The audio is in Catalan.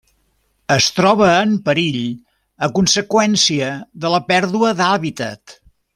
Es troba en perill a conseqüència de la pèrdua d'hàbitat.